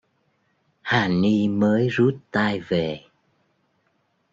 Hà Ni mới rút tay về